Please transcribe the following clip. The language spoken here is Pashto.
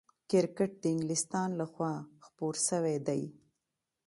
کرکټ د انګلستان له خوا خپور سوی دئ.